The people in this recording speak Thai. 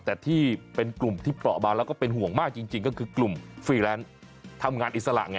แต่ที่เป็นกลุ่มที่เปราะบางแล้วก็เป็นห่วงมากจริงก็คือกลุ่มฟรีแลนซ์ทำงานอิสระไง